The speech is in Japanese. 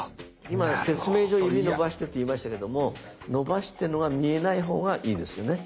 今説明上指伸ばしてと言いましたけども伸ばしてるのが見えない方がいいですよね。